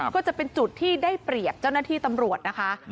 ก็จะเป็นจุดที่ได้เปรียบเจ้าหน้าที่ตำรวจนะคะ